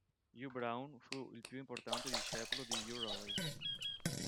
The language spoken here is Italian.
U-Brown fu il più importante discepolo di U-Roy.